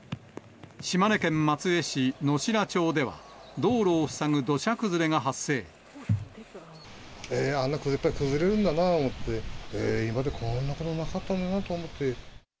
島根県松江市乃白町では、あんなやっぱ崩れるんだなと思って、今までこんなことなかったのになと思って。